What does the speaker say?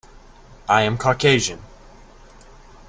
I am Caucasian.